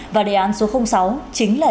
và đề án số sáu chính là